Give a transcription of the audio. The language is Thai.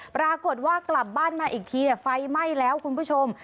ปรากฏว่ากลับบ้านมาอีกทีไฟไหม้แล้วคุณผู้ชม